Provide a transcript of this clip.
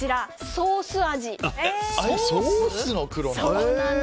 ソースの黒なんだ。